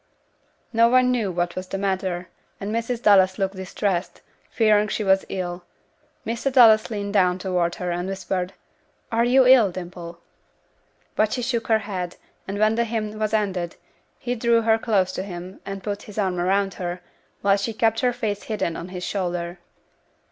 No one knew what was the matter, and Mrs. Dallas looked distressed, fearing she was ill. Mr. Dallas leaned down toward her, and whispered, "Are you ill, Dimple?" But she shook her head, and when the hymn was ended, he drew her close to him, and put his arm around her, while she kept her face hidden on his shoulder.